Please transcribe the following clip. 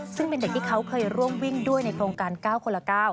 ซึ่งเป็นเด็กที่เขาเคยร่วมวิ่งด้วยในโครงการ๙คนละ๙